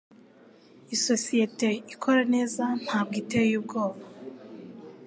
Isosiyete ikora neza ntabwo iteye ubwoba